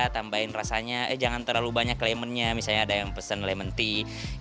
tambahin rasanya eh jangan terlalu banyak lemonnya misalnya ada yang pesen lemon tea